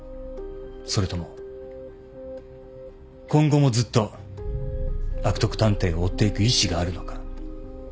それとも今後もずっと悪徳探偵を追っていく意志があるのか？